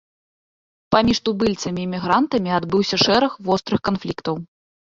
Паміж тубыльцамі і мігрантамі адбыўся шэраг вострых канфліктаў.